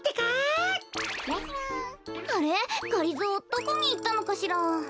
どこにいったのかしら？